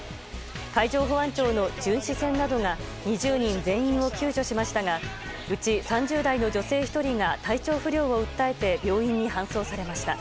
海上保安庁の巡視船などが２０人全員を救助しましたがうち３０代の女性１人が体調不良を訴えて病院に搬送されました。